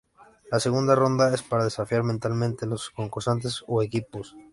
La segunda ronda es para desafiar mentalmente los concursantes o equipos.